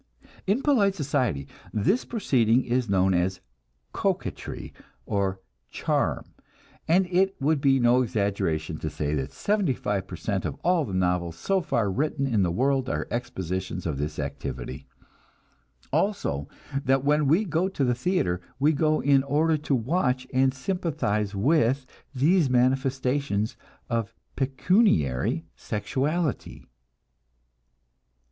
In polite society this proceeding is known as "coquetry," or "charm," and it would be no exaggeration to say that seventy five per cent of all the novels so far written in the world are expositions of this activity; also that when we go to the theater, we go in order to watch and sympathize with these manifestations of pecuniary sexuality.